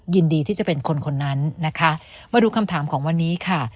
ยินดีที่จะเป็นคนคนนั้นนะคะมาดูคำถามของวันนี้ค่ะ